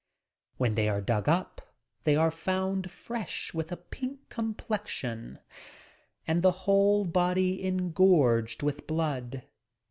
When they are dug up, they are found fresh with a pink complexion and the whole body en gorged with blood.